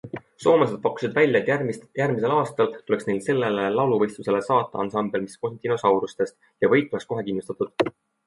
Soomlased pakkusid välja, et järgmisel aastal tuleks neil sellele lauluvõistlusele saata ansambel, mis koosneb dinosaurustest ja võit oleks kohe kindlustatud.